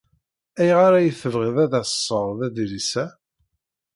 Ayɣer ay tebɣiḍ ad d-tesɣeḍ adlis-a?